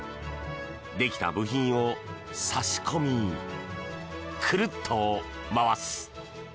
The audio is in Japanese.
できた部品を差し込みクルッと回す。